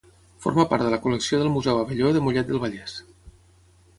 Forma part de la col·lecció del Museu Abelló de Mollet del Vallès.